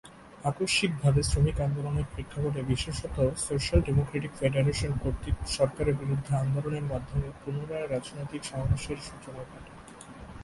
আকস্মিকভাবে শ্রমিক আন্দোলনের প্রেক্ষাপটে বিশেষতঃ সোশ্যাল ডেমোক্র্যাটিক ফেডারেশন কর্তৃক সরকারের বিরুদ্ধে আন্দোলনের মাধ্যমে পুনরায় রাজনৈতিক সমাবেশের সূচনা ঘটে।